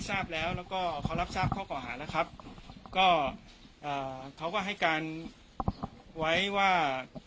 ทราบแล้วแล้วก็เขารับทราบข้อเก่าหาแล้วครับก็เอ่อเขาก็ให้การไว้ว่า